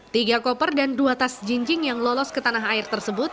tiga koper dan dua tas jinjing yang lolos ke tanah air tersebut